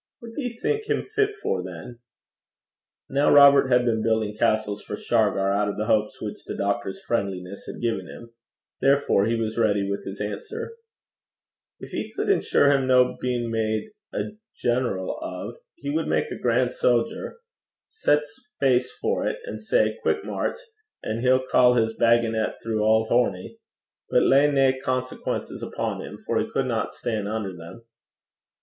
'What do you think him fit for, then?' Now Robert had been building castles for Shargar out of the hopes which the doctor's friendliness had given him. Therefore he was ready with his answer. 'Gin ye cud ensure him no bein' made a general o', he wad mak a gran' sojer. Set's face foret, and say "quick mairch," an' he'll ca his bagonet throu auld Hornie. But lay nae consequences upo' him, for he cudna stan' unner them.'